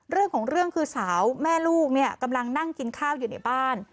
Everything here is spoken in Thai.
เรื่องของเรื่องคือสาวแม่ลูกเนี่ยกำลังนั่งกินข้าวอยู่ในบ้าน